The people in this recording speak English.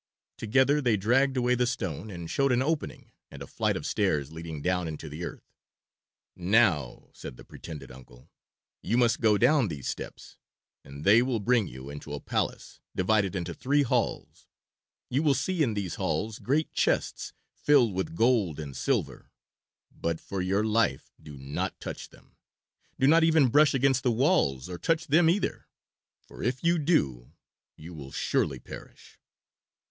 Together they dragged away the stone and showed an opening and a flight of stairs leading down into the earth. "Now," said the pretended uncle, "you must go down these steps and they will bring you into a palace divided into three halls. You will see in these halls great chests filled with gold and silver, but for your life do not touch them; do not even brush against the walls or touch them either, for if you do you will surely perish.